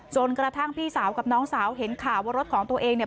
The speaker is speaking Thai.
จนกระทั่งพี่สาวกับน้องสาวเห็นข่าวว่ารถของตัวเองเนี่ย